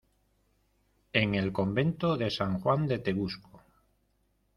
en el convento de San Juan de Tegusco.